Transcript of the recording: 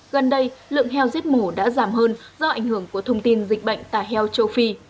gần đây lượng heo giết mổ đã giảm hơn do ảnh hưởng của thông tin dịch bệnh tả heo châu phi